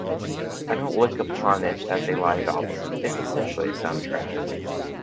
I don't look upon it as a live album...it's essentially a soundtrack.